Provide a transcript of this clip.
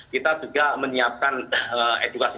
kita juga menyiapkan edukasi